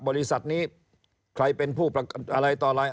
บริษัทนี้ใครเป็นผู้ประกันอะไรต่ออะไร